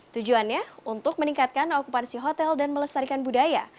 tujuannya untuk meningkatkan okupansi hotel dan melestarikan budaya